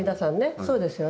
そうですよね。